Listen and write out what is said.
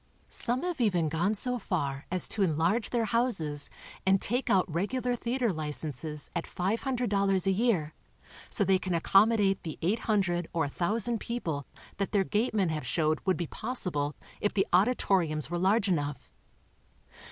Some have even gone so far as to enlarge their houses, and take out regular theater licenses at $500 a year, so they can accommodate the 800 or 1,000 people that their gatemen have showed would be possible if the auditoriums were large enough.